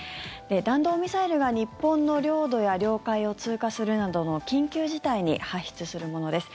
弾道ミサイルが日本の領土や領海を通過するなどの緊急事態に発出するものです。